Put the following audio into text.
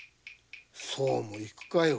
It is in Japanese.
そうもいくかよ